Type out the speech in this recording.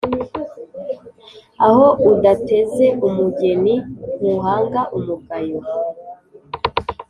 Aho udatezeumugeni ntuhanga umugayo.